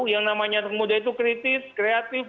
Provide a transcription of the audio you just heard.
yang namanya muda itu kritis kreatif